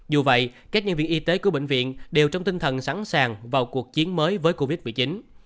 dù vậy các nhân viên y tế của bệnh viện đều trong tinh thần sẵn sàng vào cuộc chiến mới với covid một mươi chín